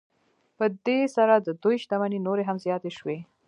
په دې سره د دوی شتمنۍ نورې هم زیاتې شوې